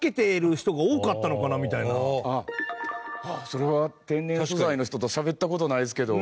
それは天然素材の人としゃべった事ないですけど。